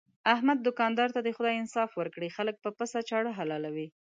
احمد دوکاندار ته دې خدای انصاف ورکړي، خلک په پڅه چاړه حلالوي.